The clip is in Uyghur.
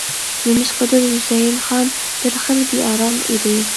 نېمىشقىدۇر ھۈسەيىن خان بىر خىل بىئارام ئىدى.